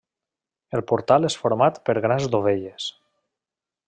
El portal és format per grans dovelles.